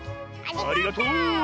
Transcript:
ありがとう！